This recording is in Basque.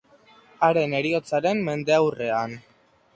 Haren heriotzaren mendeurrenean.